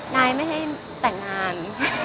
นายไม่ให้แต่งงาน